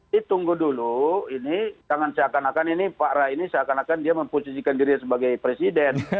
ditunggu dulu ini jangan seakan akan ini pak ra ini seakan akan dia memposisikan diri sebagai presiden